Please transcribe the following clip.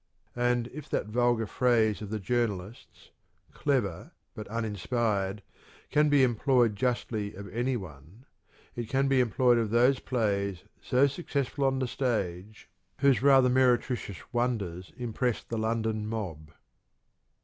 And if that vulgar phrase of the journalists, " clever but un inspired," can be employed justly of anyone, it can be employed of those plays, so successful on the stage, whose rather meretricious wonders impressed the London mob.